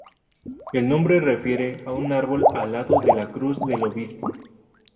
El nombre refiere a un árbol al lado de la Cruz del Obispo.